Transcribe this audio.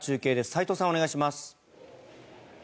齋藤さん、お願いします。